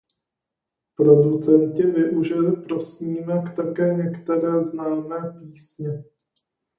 Producenti využili pro snímek také některé známé písně.